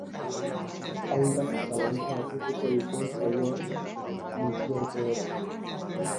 Hainbat zalantza argituko dituen saio bizia izango da.